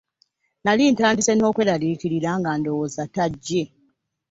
Nali ntandise n'okweraliikirira nga ndowooza tajje.